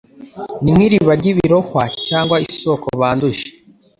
ni nk’iriba ry’ibirohwa cyangwa isoko banduje